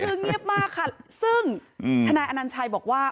คือเงียบมากค่ะซึ่งทนายอนัญชัยบอกว่า